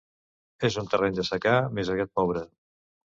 És un terreny de secà, més aviat pobre.